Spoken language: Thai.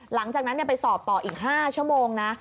หลังจากนั้นไปสอบต่ออีก๕ชั่วโมงนะ